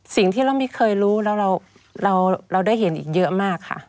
สิ่งที่เราไม่เคยรู้แล้วเราได้เห็นอีกเยอะมากค่ะ